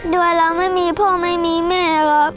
แต่เราไม่มีพ่อไม่มีแม่ครับ